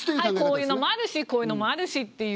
こういうのもあるしこういうのもあるしっていう。